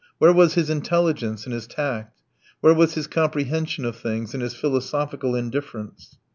Where was his intelligence and his tact? Where was his comprehension of things and his philosophical indifference?